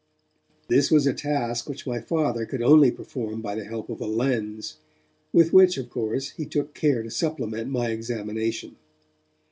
This was a task which my Father could only perform by the help of a lens, with which, of course, he took care to supplement my examination.